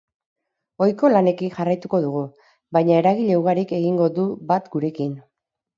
Ohiko lanekin jarraituko dugu, baina eragile ugarik egingo du bat gurekin.